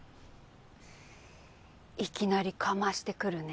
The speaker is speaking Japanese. いきなりかましてくるね。